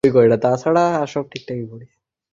এই যেমন আমাকে বিবাহ করিলে তোমার কী দশা হইবে।